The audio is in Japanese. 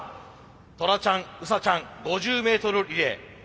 トラちゃんウサちゃん５０ｍリレー。